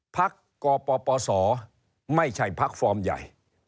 พักกปศไม่ใช่พักฟอร์มใหญ่